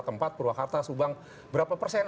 tempat purwakarta subang berapa persen